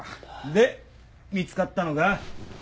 で見つかったのか？